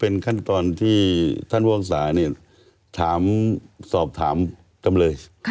เป็นขั้นตอนที่ท่านพวกศานด้วยประโยชน์ถามสอบถามกำเลย